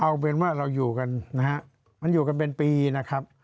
เอาเป็นว่าเราอยู่กันนะฮะมันอยู่กันเป็นปีนะครับ